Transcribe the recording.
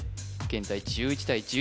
現在１１対１１